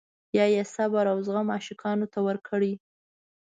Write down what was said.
یا یې صبر او زغم عاشقانو ته ورکړی.